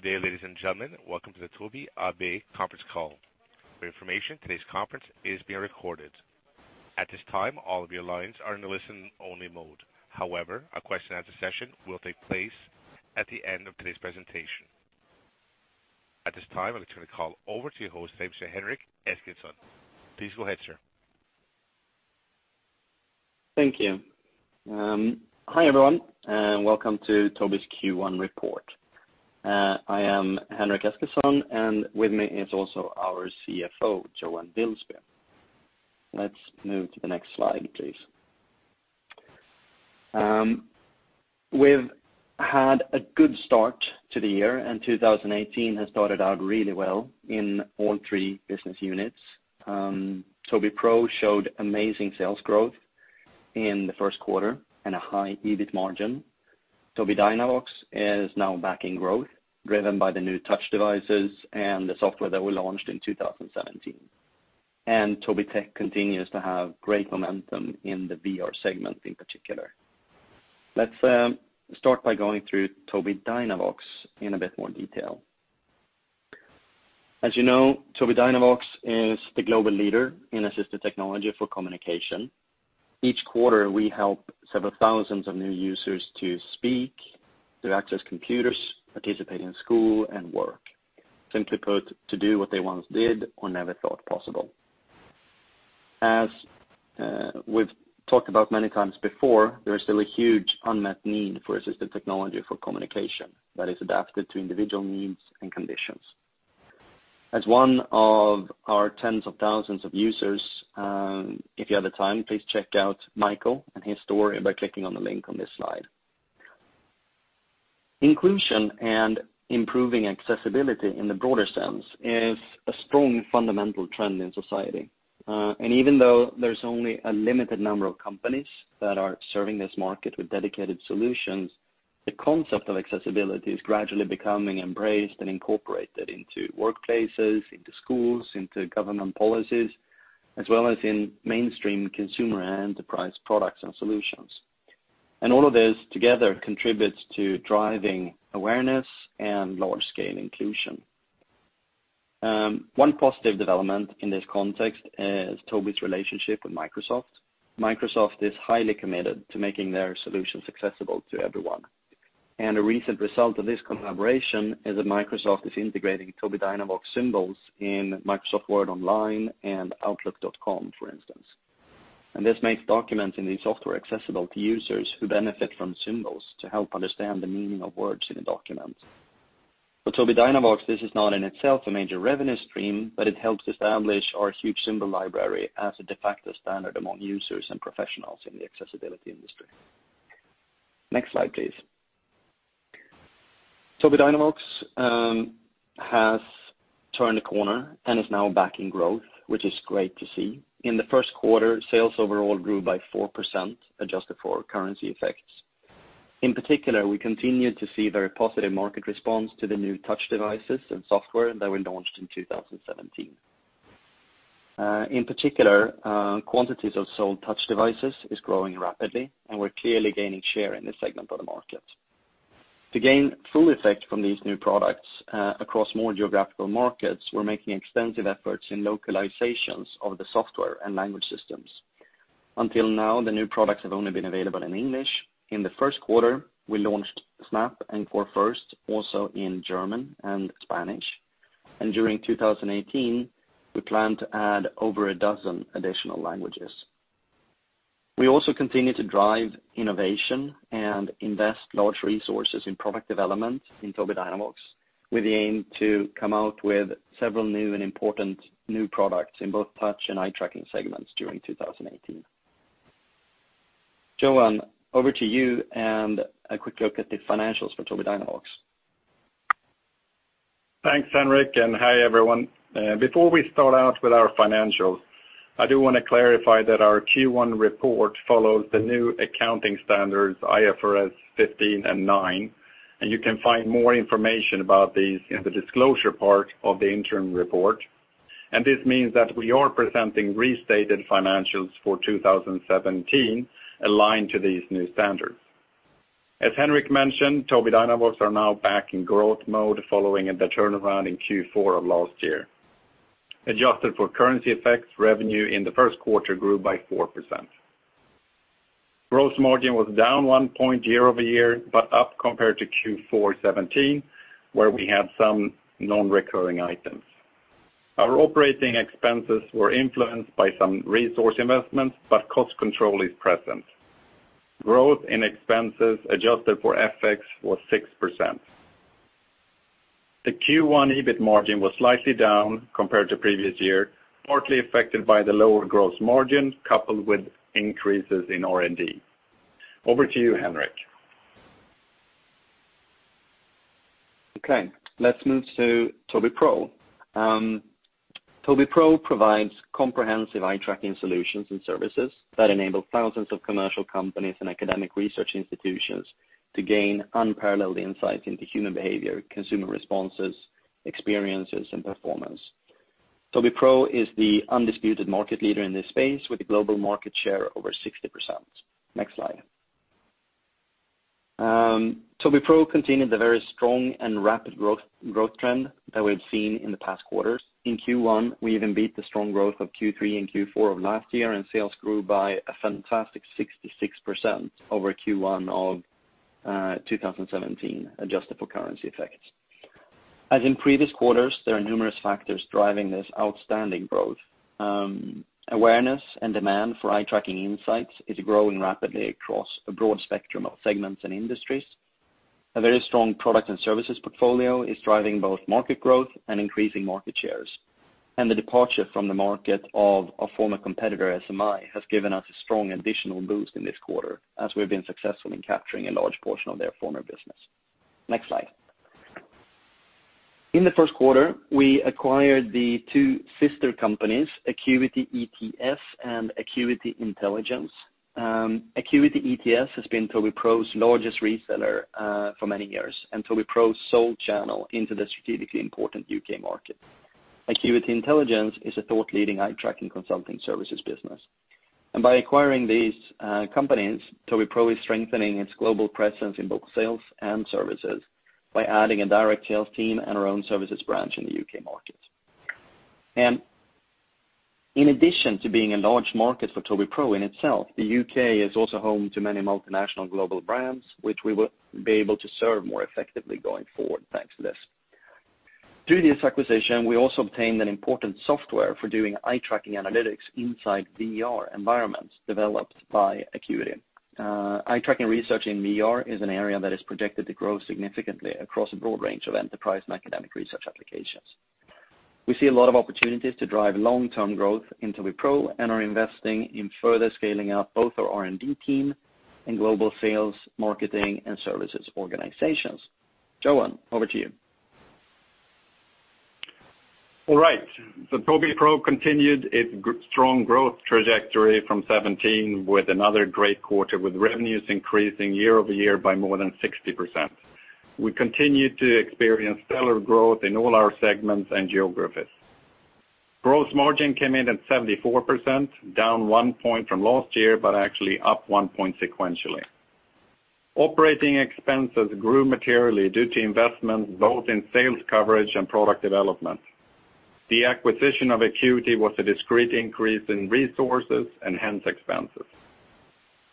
Good day, ladies and gentlemen. Welcome to the Tobii AB conference call. For information, today's conference is being recorded. At this time, all of your lines are in a listen-only mode. A question and answer session will take place at the end of today's presentation. At this time, I'll turn the call over to your host, Henrik Eskilsson. Please go ahead, sir. Thank you. Hi, everyone, welcome to Tobii's Q1 report. I am Henrik Eskilsson, and with me is also our CFO, Johan Wilsby. Let's move to the next slide, please. We've had a good start to the year, 2018 has started out really well in all three business units. Tobii Pro showed amazing sales growth in the first quarter and a high EBIT margin. Tobii Dynavox is now back in growth, driven by the new touch devices and the software that we launched in 2017. Tobii Tech continues to have great momentum in the VR segment in particular. Let's start by going through Tobii Dynavox in a bit more detail. As you know, Tobii Dynavox is the global leader in assistive technology for communication. Each quarter, we help several thousands of new users to speak, to access computers, participate in school and work. Simply put, to do what they once did or never thought possible. As we've talked about many times before, there is still a huge unmet need for assistive technology for communication that is adapted to individual needs and conditions. As one of our tens of thousands of users, if you have the time, please check out Michael and his story by clicking on the link on this slide. Inclusion and improving accessibility in the broader sense is a strong fundamental trend in society. Even though there's only a limited number of companies that are serving this market with dedicated solutions, the concept of accessibility is gradually becoming embraced and incorporated into workplaces, into schools, into government policies, as well as in mainstream consumer and enterprise products and solutions. All of this together contributes to driving awareness and large-scale inclusion. One positive development in this context is Tobii's relationship with Microsoft. Microsoft is highly committed to making their solutions accessible to everyone. A recent result of this collaboration is that Microsoft is integrating Tobii Dynavox symbols in Microsoft Word Online and outlook.com, for instance. This makes documents in these software accessible to users who benefit from symbols to help understand the meaning of words in a document. For Tobii Dynavox, this is not in itself a major revenue stream, but it helps establish our huge symbol library as a de facto standard among users and professionals in the accessibility industry. Next slide, please. Tobii Dynavox has turned a corner and is now back in growth, which is great to see. In the first quarter, sales overall grew by 4%, adjusted for currency effects. In particular, we continued to see very positive market response to the new touch devices and software that were launched in 2017. In particular, quantities of sold touch devices is growing rapidly, and we're clearly gaining share in this segment of the market. To gain full effect from these new products across more geographical markets, we're making extensive efforts in localizations of the software and language systems. Until now, the new products have only been available in English. In the first quarter, we launched Snap and Core First also in German and Spanish. During 2018, we plan to add over a dozen additional languages. We also continue to drive innovation and invest large resources in product development in Tobii Dynavox, with the aim to come out with several new and important new products in both touch and eye tracking segments during 2018. Johan, over to you, and a quick look at the financials for Tobii Dynavox. Thanks, Henrik, and hi, everyone. Before we start out with our financials, I do want to clarify that our Q1 report follows the new accounting standards IFRS 15 and 9, and you can find more information about these in the disclosure part of the interim report. This means that we are presenting restated financials for 2017 aligned to these new standards. As Henrik mentioned, Tobii Dynavox are now back in growth mode following the turnaround in Q4 of last year. Adjusted for currency effects, revenue in the first quarter grew by 4%. Gross margin was down one point year-over-year, but up compared to Q4 2017, where we had some non-recurring items. Our operating expenses were influenced by some resource investments, but cost control is present. Growth in expenses adjusted for FX was 6%. The Q1 EBIT margin was slightly down compared to previous year, partly affected by the lower gross margin, coupled with increases in R&D. Over to you, Henrik. Okay. Let's move to Tobii Pro. Tobii Pro provides comprehensive eye tracking solutions and services that enable thousands of commercial companies and academic research institutions to gain unparalleled insights into human behavior, consumer responses, experiences, and performance. Tobii Pro is the undisputed market leader in this space with a global market share over 60%. Next slide. Tobii Pro continued the very strong and rapid growth trend that we've seen in the past quarters. In Q1, we even beat the strong growth of Q3 and Q4 of last year, and sales grew by a fantastic 66% over Q1 of 2017, adjusted for currency effects. As in previous quarters, there are numerous factors driving this outstanding growth. Awareness and demand for eye tracking insights is growing rapidly across a broad spectrum of segments and industries. A very strong product and services portfolio is driving both market growth and increasing market shares. The departure from the market of a former competitor, SMI, has given us a strong additional boost in this quarter as we've been successful in capturing a large portion of their former business. Next slide. In the first quarter, we acquired the two sister companies, Acuity ETS and Acuity Intelligence. Acuity ETS has been Tobii Pro's largest reseller for many years and Tobii Pro's sole channel into the strategically important U.K. market. Acuity Intelligence is a thought-leading eye tracking consulting services business. By acquiring these companies, Tobii Pro is strengthening its global presence in both sales and services by adding a direct sales team and our own services branch in the U.K. market. In addition to being a large market for Tobii Pro in itself, the U.K. is also home to many multinational global brands, which we will be able to serve more effectively going forward, thanks to this. Through this acquisition, we also obtained an important software for doing eye tracking analytics inside VR environments developed by Acuity. Eye tracking research in VR is an area that is projected to grow significantly across a broad range of enterprise and academic research applications. We see a lot of opportunities to drive long-term growth in Tobii Pro and are investing in further scaling up both our R&D team and global sales, marketing, and services organizations. Johan, over to you. All right. Tobii Pro continued its strong growth trajectory from 2017 with another great quarter, with revenues increasing year-over-year by more than 60%. We continued to experience stellar growth in all our segments and geographies. Gross margin came in at 74%, down one point from last year, but actually up one point sequentially. Operating expenses grew materially due to investments both in sales coverage and product development. The acquisition of Acuity was a discrete increase in resources and hence expenses.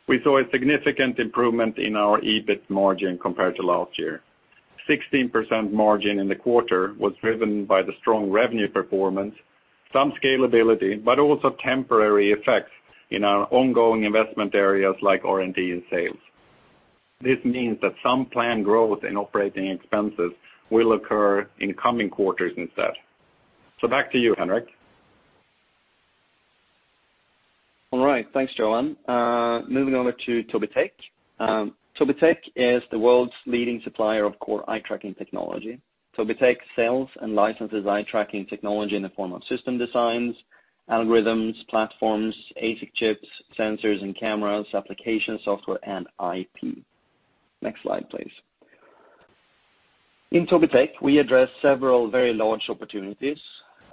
We saw a significant improvement in our EBIT margin compared to last year. 16% margin in the quarter was driven by the strong revenue performance, some scalability, but also temporary effects in our ongoing investment areas like R&D and sales. This means that some planned growth in operating expenses will occur in coming quarters instead. Back to you, Henrik. All right. Thanks, Johan. Moving over to Tobii Tech. Tobii Tech is the world's leading supplier of core eye tracking technology. Tobii Tech sells and licenses eye tracking technology in the form of system designs, algorithms, platforms, ASIC chips, sensors and cameras, application software, and IP. Next slide, please. In Tobii Tech, we address several very large opportunities.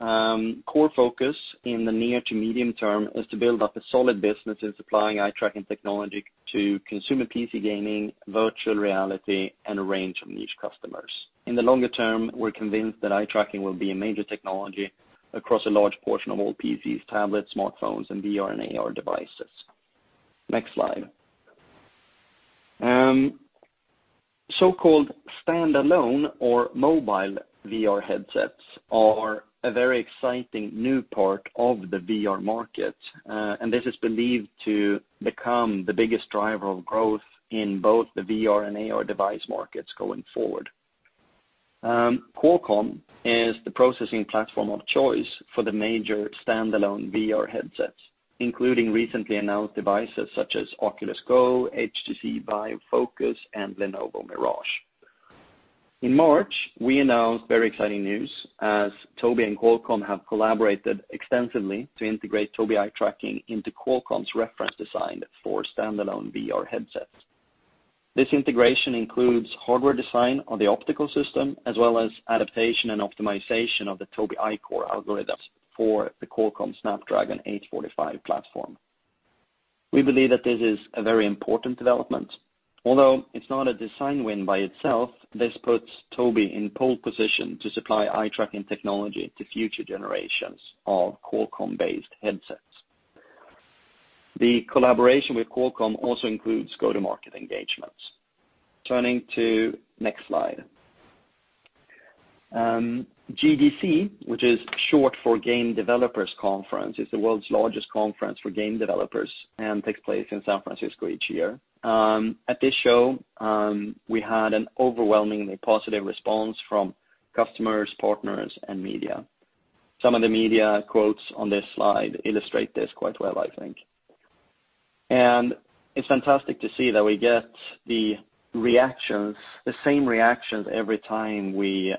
Core focus in the near to medium term is to build up a solid business in supplying eye tracking technology to consumer PC gaming, virtual reality, and a range of niche customers. In the longer term, we're convinced that eye tracking will be a major technology across a large portion of all PCs, tablets, smartphones, and VR and AR devices. Next slide. Called standalone or mobile VR headsets are a very exciting new part of the VR market, this is believed to become the biggest driver of growth in both the VR and AR device markets going forward. Qualcomm is the processing platform of choice for the major standalone VR headsets, including recently announced devices such as Oculus Go, HTC VIVE Focus, and Lenovo Mirage. In March, we announced very exciting news as Tobii and Qualcomm have collaborated extensively to integrate Tobii eye tracking into Qualcomm's reference design for standalone VR headsets. This integration includes hardware design of the optical system, as well as adaptation and optimization of the Tobii EyeCore algorithms for the Qualcomm Snapdragon 845 platform. We believe that this is a very important development. Although it's not a design win by itself, this puts Tobii in pole position to supply eye tracking technology to future generations of Qualcomm-based headsets. The collaboration with Qualcomm also includes go-to-market engagements. Turning to next slide. GDC, which is short for Game Developers Conference, is the world's largest conference for game developers and takes place in San Francisco each year. At this show, we had an overwhelmingly positive response from customers, partners, and media. Some of the media quotes on this slide illustrate this quite well, I think. It's fantastic to see that we get the same reactions every time we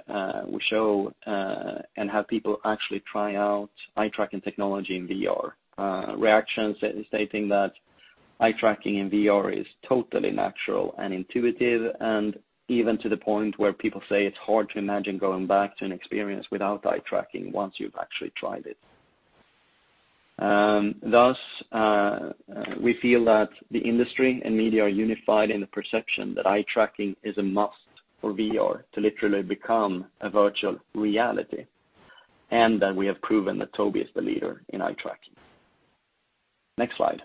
show and have people actually try out eye tracking technology in VR. Reactions stating that Eye tracking in VR is totally natural and intuitive, even to the point where people say it's hard to imagine going back to an experience without eye tracking once you've actually tried it. Thus, we feel that the industry and media are unified in the perception that eye tracking is a must for VR to literally become a virtual reality, that we have proven that Tobii is the leader in eye tracking. Next slide.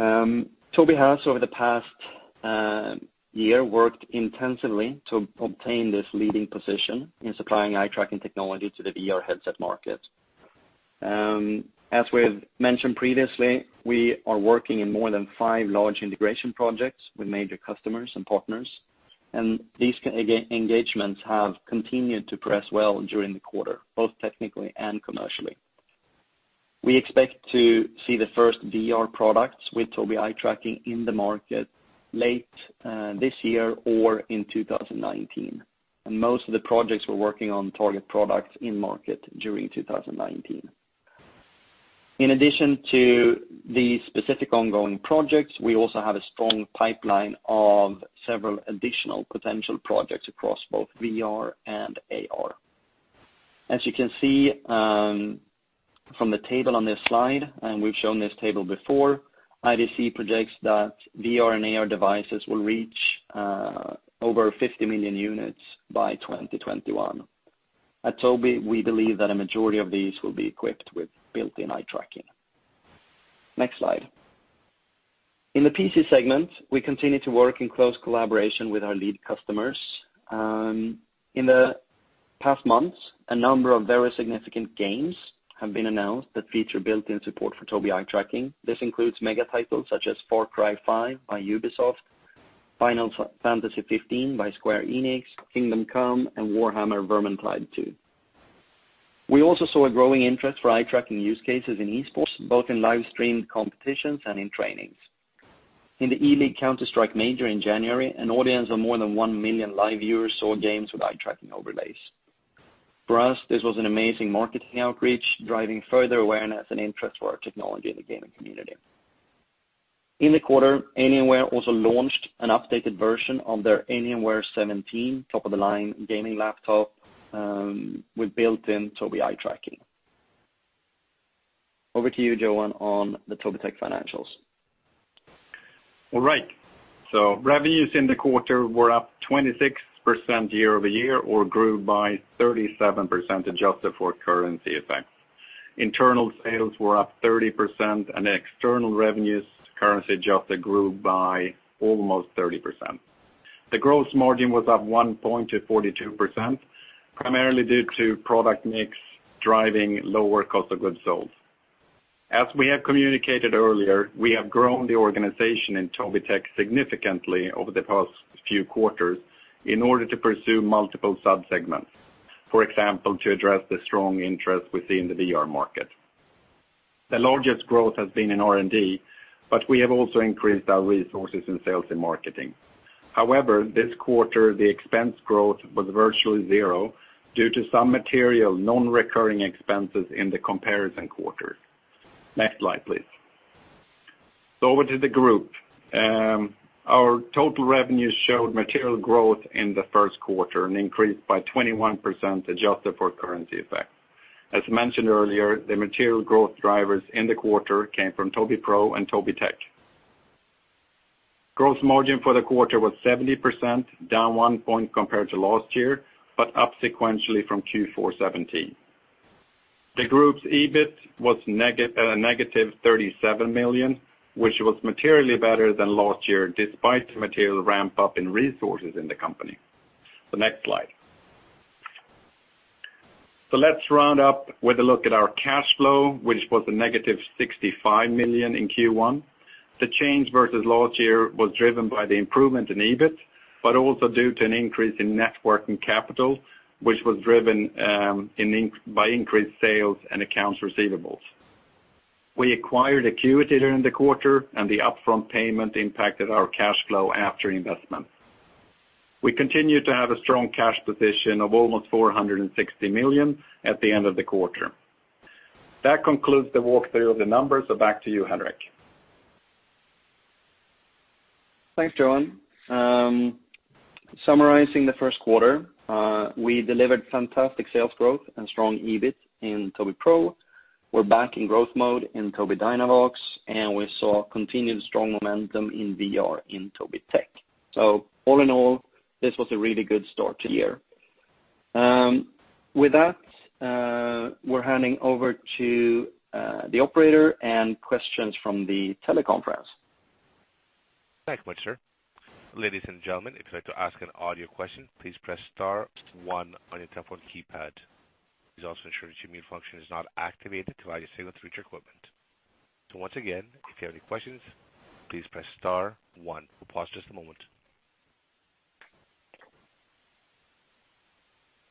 Tobii has, over the past year, worked intensively to obtain this leading position in supplying eye tracking technology to the VR headset market. As we've mentioned previously, we are working in more than five large integration projects with major customers and partners, these engagements have continued to progress well during the quarter, both technically and commercially. We expect to see the first VR products with Tobii eye tracking in the market late this year or in 2019. Most of the projects we're working on target products in market during 2019. In addition to the specific ongoing projects, we also have a strong pipeline of several additional potential projects across both VR and AR. As you can see from the table on this slide, and we've shown this table before, IDC projects that VR and AR devices will reach over 50 million units by 2021. At Tobii, we believe that a majority of these will be equipped with built-in eye tracking. Next slide. This includes mega titles such as "Far Cry 5" by Ubisoft, "Final Fantasy XV" by Square Enix, "Kingdom Come", and "Warhammer: Vermintide 2". We also saw a growing interest for eye tracking use cases in esports, both in live-streamed competitions and in trainings. In the ELEAGUE Counter-Strike Major in January, an audience of more than 1 million live viewers saw games with eye tracking overlays. For us, this was an amazing marketing outreach, driving further awareness and interest for our technology in the gaming community. In the quarter, Alienware also launched an updated version on their Alienware 17 top-of-the-line gaming laptop, with built-in Tobii eye tracking. Over to you, Johan, on the Tobii Tech financials. All right. Revenues in the quarter were up 26% year-over-year or grew by 37% adjusted for currency effect. Internal sales were up 30% and external revenues currency adjusted grew by almost 30%. The gross margin was up one point to 42%, primarily due to product mix driving lower cost of goods sold. As we have communicated earlier, we have grown the organization in Tobii Tech significantly over the past few quarters in order to pursue multiple sub-segments. For example, to address the strong interest within the VR market. The largest growth has been in R&D, but we have also increased our resources in sales and marketing. However, this quarter, the expense growth was virtually zero due to some material non-recurring expenses in the comparison quarter. Next slide, please. Over to the group. Our total revenues showed material growth in the first quarter and increased by 21% adjusted for currency effect. As mentioned earlier, the material growth drivers in the quarter came from Tobii Pro and Tobii Tech. Gross margin for the quarter was 70%, down one point compared to last year, but up sequentially from Q4 2017. The group's EBIT was negative 37 million, which was materially better than last year, despite the material ramp-up in resources in the company. The next slide. Let's round up with a look at our cash flow, which was a negative 65 million in Q1. The change versus last year was driven by the improvement in EBIT, but also due to an increase in net working capital, which was driven by increased sales and accounts receivables. We acquired Acuity during the quarter, and the upfront payment impacted our cash flow after investment. We continue to have a strong cash position of almost 460 million at the end of the quarter. That concludes the walkthrough of the numbers, back to you, Henrik. Thanks, Johan. Summarizing the first quarter, we delivered fantastic sales growth and strong EBIT in Tobii Pro. We're back in growth mode in Tobii Dynavox, and we saw continued strong momentum in VR in Tobii Tech. All in all, this was a really good start to the year. With that, we're handing over to the operator, questions from the teleconference. Thank you much, sir. Ladies and gentlemen, if you'd like to ask an audio question, please press star one on your telephone keypad. Please also ensure that your mute function is not activated to allow your signal to reach your equipment. Once again, if you have any questions, please press star one. We'll pause just a moment.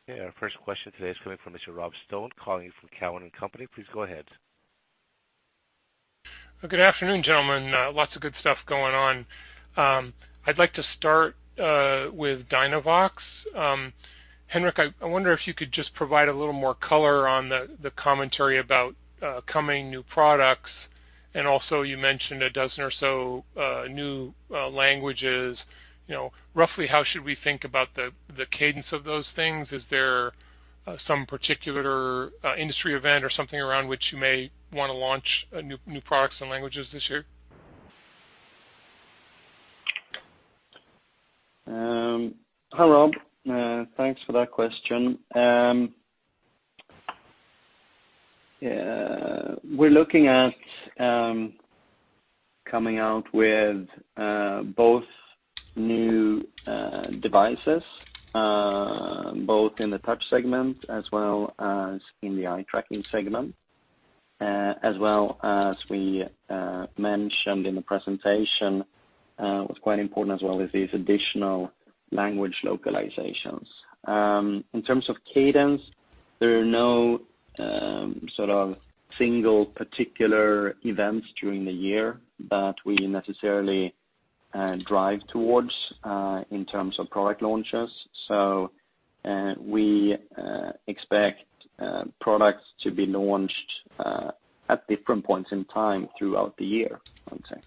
Okay, our first question today is coming from Mr. Rob Stone calling in from Cowen and Company. Please go ahead. Good afternoon, gentlemen. Lots of good stuff going on. I'd like to start with Dynavox. Henrik, I wonder if you could just provide a little more color on the commentary about coming new products. Also you mentioned a dozen or so new languages. Roughly how should we think about the cadence of those things? Is there some particular industry event or something around which you may want to launch new products and languages this year? Hi, Rob. Thanks for that question. We're looking at coming out with both new devices, both in the touch segment as well as in the eye tracking segment, as well as we mentioned in the presentation, what's quite important as well is these additional language localizations. In terms of cadence, there are no sort of single particular events during the year that we necessarily drive towards in terms of product launches. We expect products to be launched at different points in time throughout the year, I would say.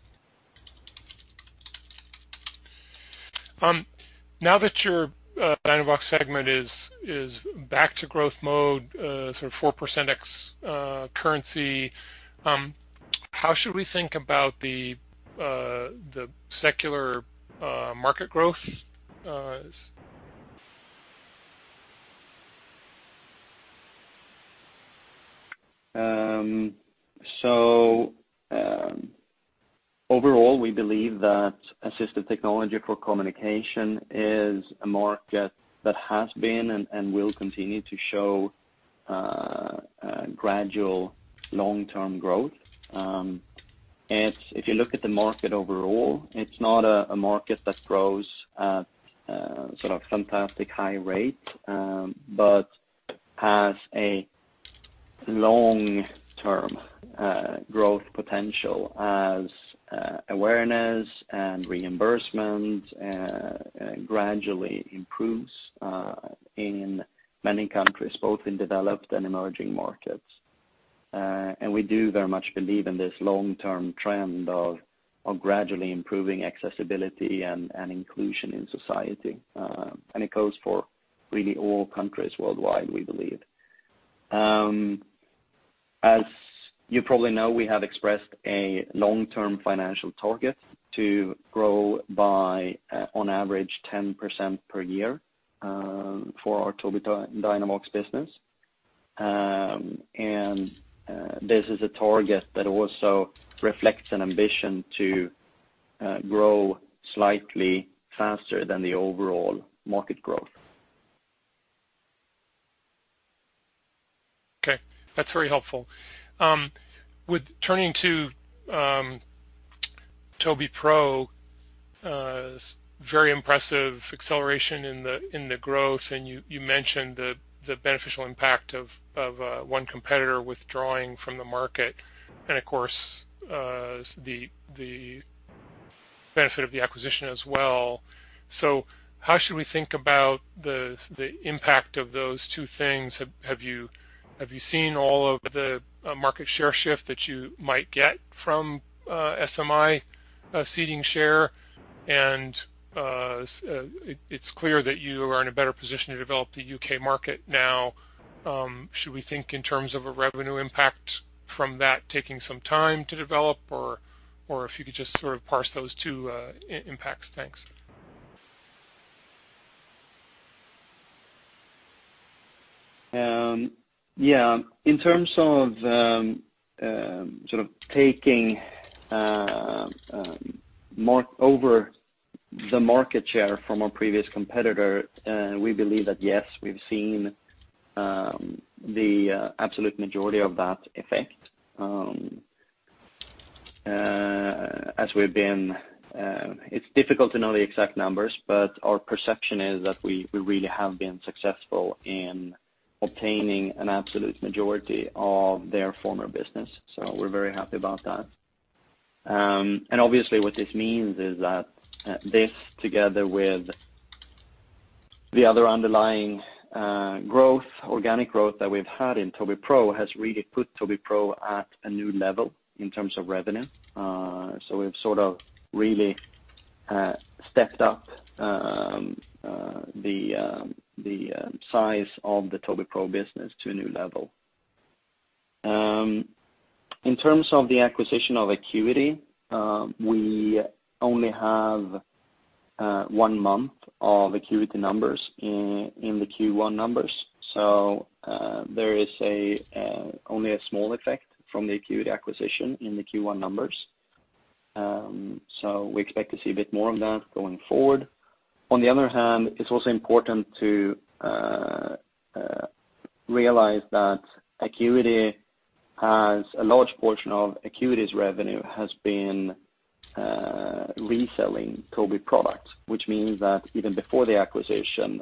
Now that your Dynavox segment is back to growth mode, sort of 4% ex currency, how should we think about the secular market growth? Overall, we believe that assistive technology for communication is a market that has been and will continue to show gradual long-term growth. If you look at the market overall, it's not a market that grows at sort of fantastic high rate, but has a long-term growth potential as awareness and reimbursement gradually improves in many countries, both in developed and emerging markets. We do very much believe in this long-term trend of gradually improving accessibility and inclusion in society. It goes for really all countries worldwide, we believe. As you probably know, we have expressed a long-term financial target to grow by on average 10% per year for our Tobii Dynavox business. This is a target that also reflects an ambition to grow slightly faster than the overall market growth. Okay. That's very helpful. Turning to Tobii Pro, very impressive acceleration in the growth, and you mentioned the beneficial impact of one competitor withdrawing from the market and, of course, the benefit of the acquisition as well. How should we think about the impact of those two things? Have you seen all of the market share shift that you might get from SMI ceding share? It's clear that you are in a better position to develop the U.K. market now. Should we think in terms of a revenue impact from that taking some time to develop or if you could just sort of parse those two impacts? Thanks. Yeah. In terms of sort of taking over the market share from our previous competitor, we believe that yes, we've seen the absolute majority of that effect. It's difficult to know the exact numbers, but our perception is that we really have been successful in obtaining an absolute majority of their former business. We're very happy about that. Obviously what this means is that this together with the other underlying organic growth that we've had in Tobii Pro has really put Tobii Pro at a new level in terms of revenue. We've sort of really stepped up the size of the Tobii Pro business to a new level. In terms of the acquisition of Acuity, we only have one month of Acuity numbers in the Q1 numbers. There is only a small effect from the Acuity acquisition in the Q1 numbers. We expect to see a bit more of that going forward. On the other hand, it's also important to realize that a large portion of Acuity's revenue has been reselling Tobii products, which means that even before the acquisition,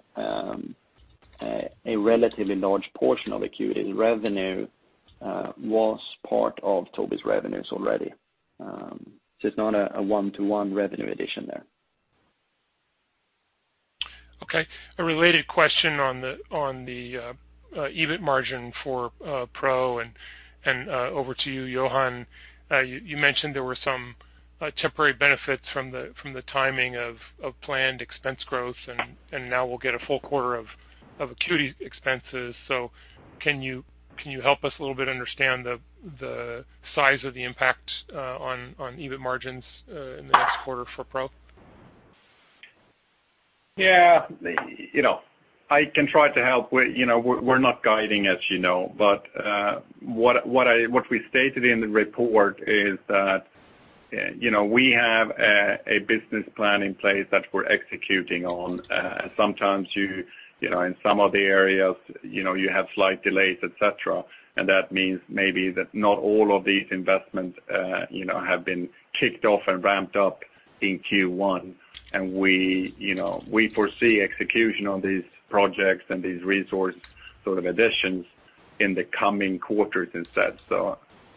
a relatively large portion of Acuity's revenue was part of Tobii's revenues already. It's not a one-to-one revenue addition there. Okay. A related question on the EBIT margin for Pro, and over to you, Johan. You mentioned there were some temporary benefits from the timing of planned expense growth, and now we'll get a full quarter of Acuity expenses. Can you help us a little bit understand the size of the impact on EBIT margins in the next quarter for Pro? Yeah. I can try to help. We're not guiding, as you know, but what we stated in the report is that we have a business plan in place that we're executing on. Sometimes in some of the areas, you have slight delays, et cetera, that means maybe that not all of these investments have been kicked off and ramped up in Q1. We foresee execution on these projects and these resource additions in the coming quarters instead.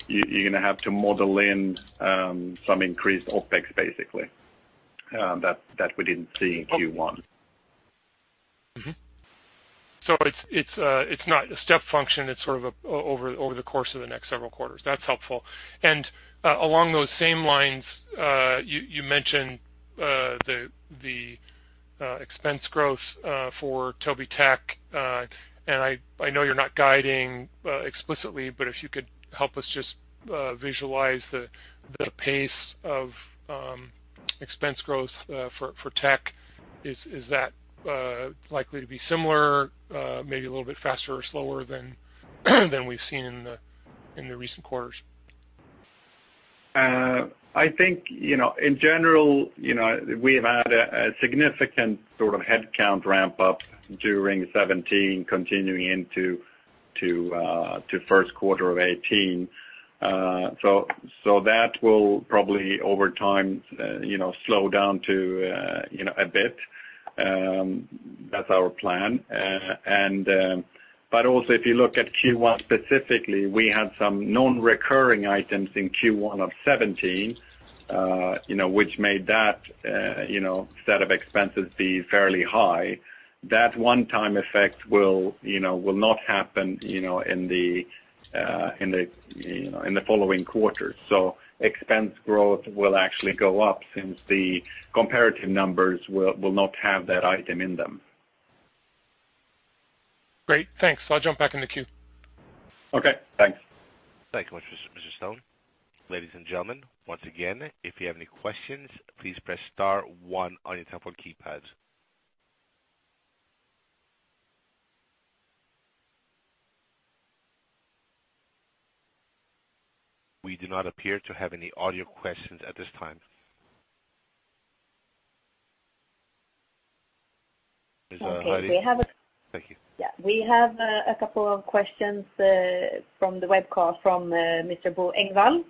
You're going to have to model in some increased OpEx, basically, that we didn't see in Q1. Mm-hmm. It's not a step function, it's sort of over the course of the next several quarters. That's helpful. Along those same lines, you mentioned the expense growth for Tobii Tech, and I know you're not guiding explicitly, but if you could help us just visualize the pace of expense growth for Tech. Is that likely to be similar, maybe a little bit faster or slower than we've seen in the recent quarters? I think, in general, we have had a significant sort of headcount ramp-up during 2017 continuing into first quarter of 2018. That will probably, over time, slow down a bit. That's our plan. Also, if you look at Q1 specifically, we had some non-recurring items in Q1 of 2017, which made that set of expenses be fairly high. That one-time effect will not happen in the following quarters. Expense growth will actually go up since the comparative numbers will not have that item in them. Great. Thanks. I'll jump back in the queue. Okay. Thanks. Thank you much, Mr. Stone. Ladies and gentlemen, once again, if you have any questions, please press star one on your telephone keypads. We do not appear to have any audio questions at this time. Okay. We have. Thank you. We have a couple of questions from the webcast from Mr. Bo Engwall.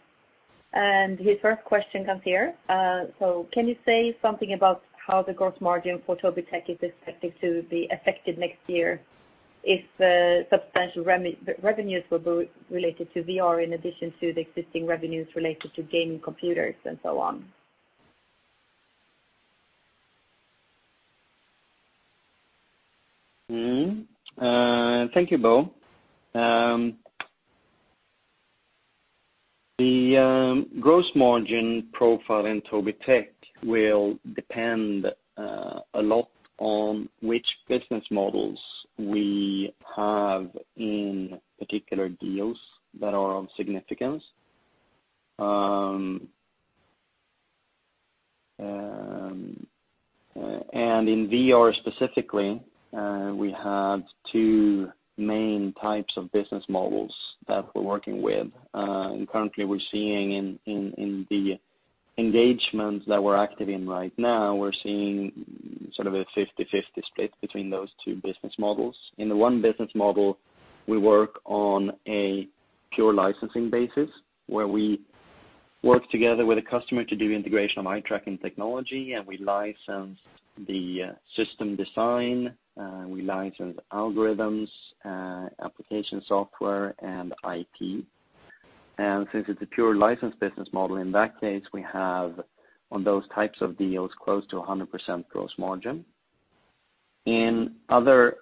His first question comes here. Can you say something about how the gross margin for Tobii Tech is expected to be affected next year if substantial revenues were related to VR in addition to the existing revenues related to gaming computers and so on? Thank you, Bo. The gross margin profile in Tobii Tech will depend a lot on which business models we have in particular deals that are of significance. In VR specifically, we have two main types of business models that we're working with. Currently we're seeing in the engagements that we're active in right now, we're seeing sort of a 50/50 split between those two business models. In the one business model, we work on a pure licensing basis, where we work together with a customer to do integration of eye-tracking technology, and we license the system design, we license algorithms, application software, and IP. Since it's a pure license business model, in that case, we have, on those types of deals, close to 100% gross margin. In other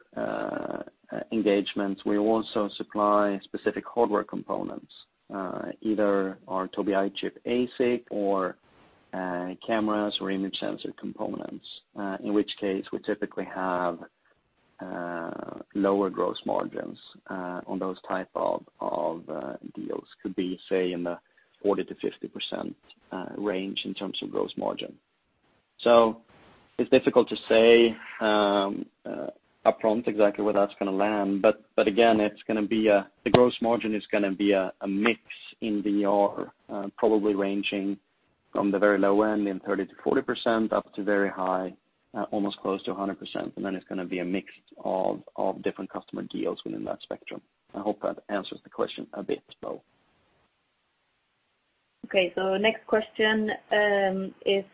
engagements, we also supply specific hardware components, either our Tobii EyeChip ASIC or cameras or image sensor components, in which case we typically have lower gross margins on those type of deals. Could be, say, in the 40%-50% range in terms of gross margin. It's difficult to say upfront exactly where that's going to land, but again, the gross margin is going to be a mix in VR, probably ranging from the very low end in 30%-40% up to very high, almost close to 100%, and then it's going to be a mix of different customer deals within that spectrum. I hope that answers the question a bit, Bo. Next question is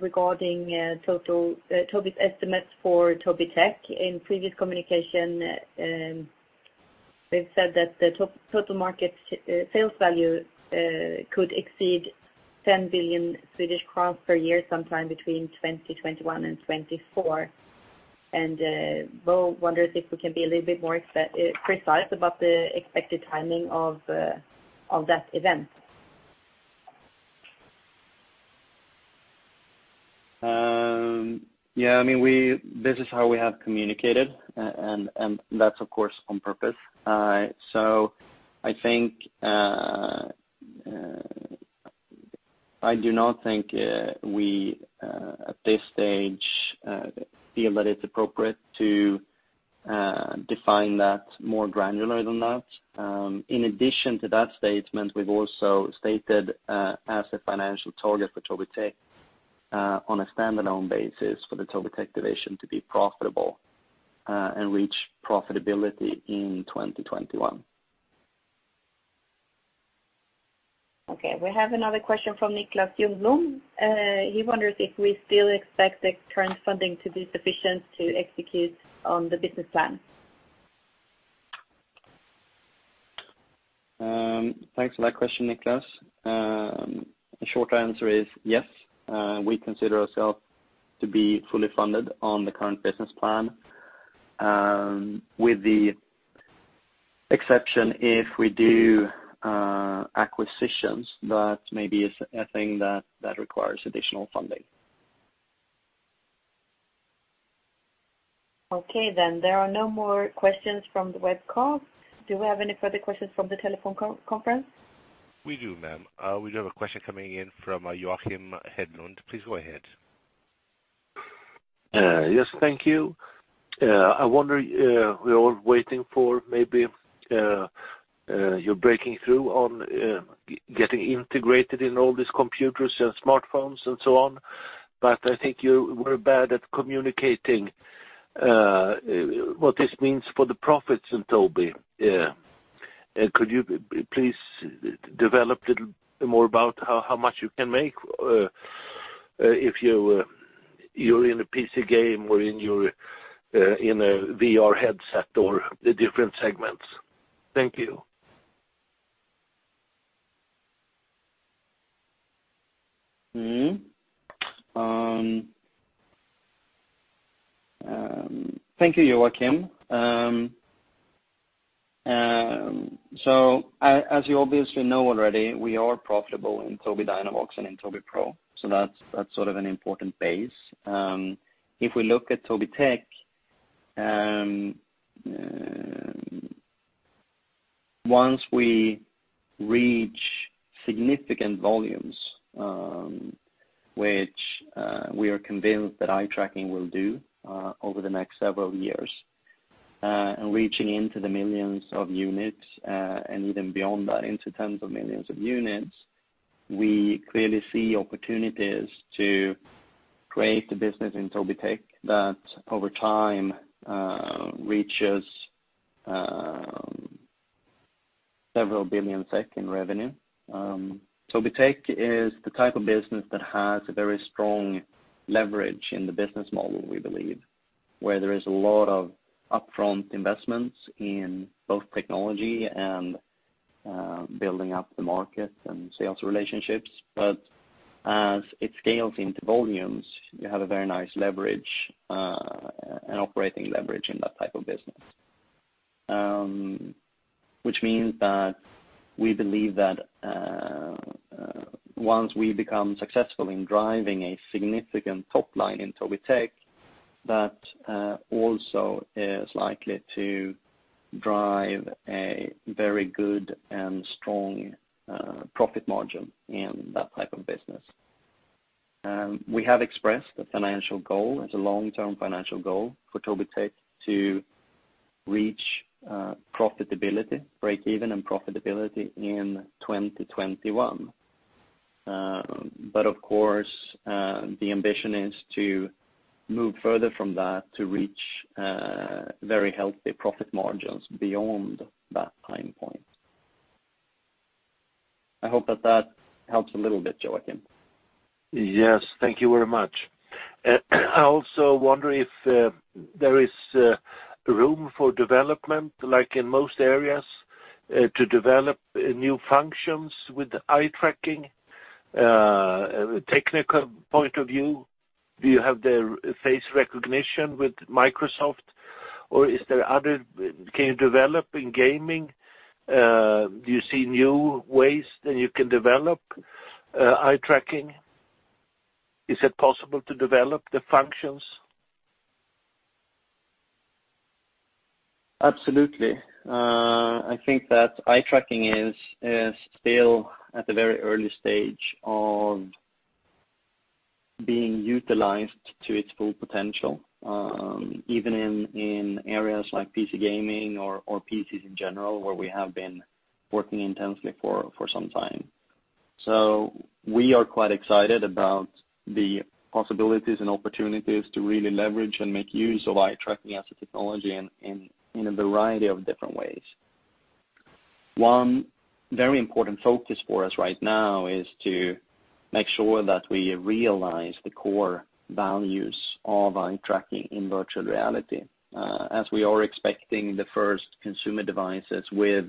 regarding Tobii's estimates for Tobii Tech. In previous communication we've said that the total market sales value could exceed 10 billion Swedish crowns per year, sometime between 2021 and 2024. Bo wonders if we can be a little bit more precise about the expected timing of that event. Yeah. This is how we have communicated, That's of course on purpose. I do not think we, at this stage, feel that it's appropriate to define that more granular than that. In addition to that statement, we've also stated as a financial target for Tobii Tech, on a standalone basis, for the Tobii Tech division to be profitable, and reach profitability in 2021. Okay. We have another question from Niklas Ljungblom. He wonders if we still expect the current funding to be sufficient to execute on the business plan. Thanks for that question, Niklas. The short answer is yes. We consider ourselves to be fully funded on the current business plan, with the exception if we do acquisitions, that maybe is a thing that requires additional funding. Okay. There are no more questions from the web call. Do we have any further questions from the telephone conference? We do, ma'am. We have a question coming in from Joakim Hedlund. Please go ahead. Yes, thank you. I wonder, we are all waiting for maybe your breaking through on getting integrated in all these computers and smartphones and so on, but I think you were bad at communicating what this means for the profits in Tobii. Could you please develop a little more about how much you can make, if you're in a PC game or in a VR headset or the different segments? Thank you. Thank you, Joakim. As you obviously know already, we are profitable in Tobii Dynavox and in Tobii Pro. That's sort of an important base. If we look at Tobii Tech, once we reach significant volumes, which we are convinced that eye tracking will do over the next several years, and reaching into the millions of units, and even beyond that, into tens of millions of units, we clearly see opportunities to create a business in Tobii Tech that over time, reaches several billion SEK in revenue. Tobii Tech is the type of business that has a very strong leverage in the business model, we believe, where there is a lot of upfront investments in both technology and building up the market and sales relationships. As it scales into volumes, you have a very nice leverage, an operating leverage in that type of business. Which means that we believe that once we become successful in driving a significant top line in Tobii Tech, that also is likely to drive a very good and strong profit margin in that type of business. We have expressed a financial goal as a long-term financial goal for Tobii Tech to reach break-even and profitability in 2021. Of course, the ambition is to move further from that to reach very healthy profit margins beyond that time point. I hope that that helps a little bit, Joakim. Yes. Thank you very much. I also wonder if there is room for development, like in most areas, to develop new functions with eye tracking. Technical point of view, do you have the face recognition with Microsoft, or can you develop in gaming? Do you see new ways that you can develop eye tracking? Is it possible to develop the functions? Absolutely. I think that eye tracking is still at the very early stage of being utilized to its full potential, even in areas like PC gaming or PCs in general, where we have been working intensely for some time. We are quite excited about the possibilities and opportunities to really leverage and make use of eye tracking as a technology in a variety of different ways. One very important focus for us right now is to make sure that we realize the core values of eye tracking in virtual reality, as we are expecting the first consumer devices with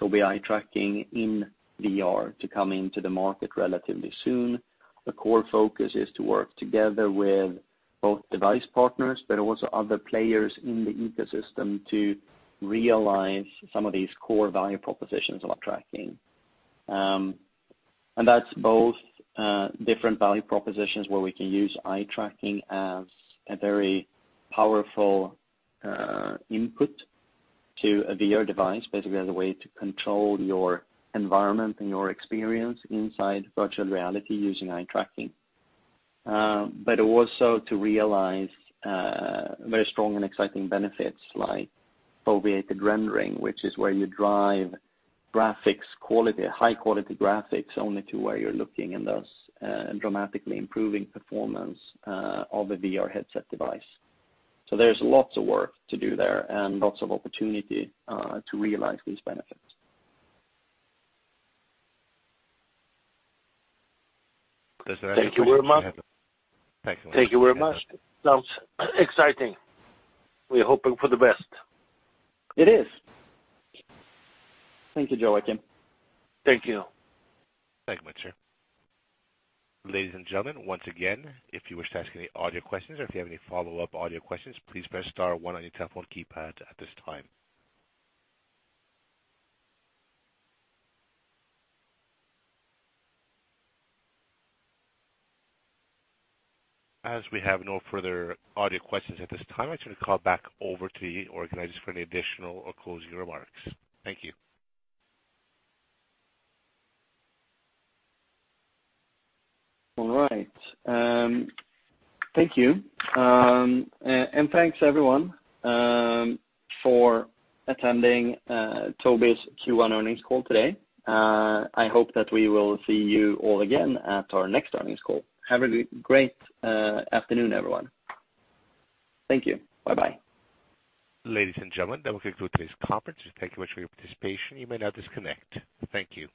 Tobii eye tracking in VR to come into the market relatively soon. The core focus is to work together with both device partners, but also other players in the ecosystem to realize some of these core value propositions of eye tracking. That's both different value propositions where we can use eye tracking as a very powerful input to a VR device, basically as a way to control your environment and your experience inside virtual reality using eye tracking. Also to realize very strong and exciting benefits like foveated rendering, which is where you drive high-quality graphics only to where you're looking, and thus dramatically improving performance of a VR headset device. There's lots of work to do there and lots of opportunity to realize these benefits. Thank you very much. Thanks. Thank you very much. Sounds exciting. We're hoping for the best. It is. Thank you, Joakim. Thank you. Thank you, sir. Ladies and gentlemen, once again, if you wish to ask any audio questions or if you have any follow-up audio questions, please press star one on your telephone keypad at this time. As we have no further audio questions at this time, I'd like to call back over to the organizers for any additional or closing remarks. Thank you. All right. Thank you. Thanks, everyone, for attending Tobii's Q1 earnings call today. I hope that we will see you all again at our next earnings call. Have a great afternoon, everyone. Thank you. Bye-bye. Ladies and gentlemen, that will conclude today's conference. Thank you much for your participation. You may now disconnect. Thank you.